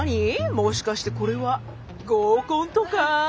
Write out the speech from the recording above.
もしかしてこれは合コンとか？